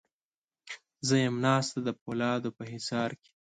زه یم ناسته د پولادو په حصار کې